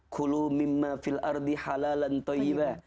kulu mimma fil ardi halalan toyiba